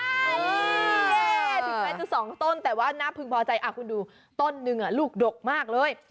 ถึงแม้จะ๒ต้นแต่ว่าน่าพึงพอใจคุณดูต้นนึงลูกดกมากเลย